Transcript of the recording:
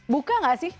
buka nggak sih